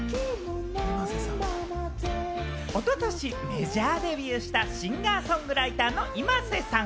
おととしメジャーデビューしたシンガー・ソングライターのｉｍａｓｅさん。